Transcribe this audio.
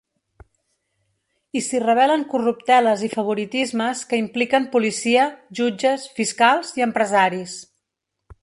I s’hi revelen corrupteles i favoritismes que impliquen policia, jutges, fiscals i empresaris.